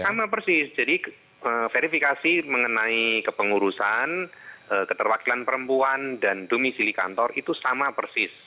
sama persis jadi verifikasi mengenai kepengurusan keterwakilan perempuan dan domisili kantor itu sama persis